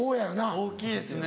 大きいですね。